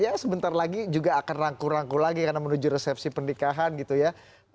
ya sebentar lagi juga akan rangku rangku lagi karena menuju resepsi pernikahan gitu ya